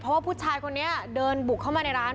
เพราะว่าผู้ชายคนนี้เดินบุกเข้ามาในร้าน